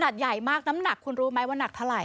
ใหญ่มากน้ำหนักคุณรู้ไหมว่าหนักเท่าไ